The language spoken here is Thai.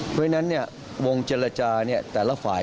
เพราะฉะนั้นเนี่ยวงเจรจาร์เนี่ยแต่ละฝ่าย